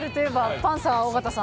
パンサーの尾形さん。